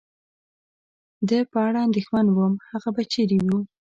د په اړه اندېښمن ووم، هغه به چېرې و؟